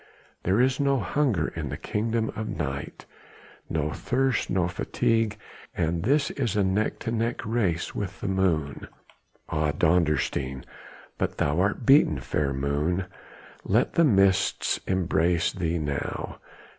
there is no hunger in the kingdom of night, no thirst, no fatigue! and this is a neck to neck race with the moon. Ah Dondersteen! but thou art beaten, fair moon! Let the mists embrace thee now!